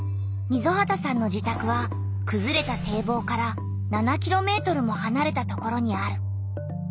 溝端さんの自たくはくずれた堤防から７ｋｍもはなれたところにある。